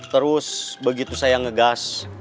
terus begitu saya ngegas